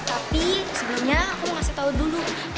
tapi sebelumnya aku mau kasih tau dulu